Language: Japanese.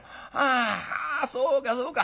あそうかそうか。